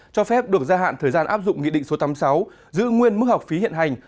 cho phép được gia hạn thời gian áp dụng nghị định số tám mươi sáu giữ nguyên mức học phí hiện hành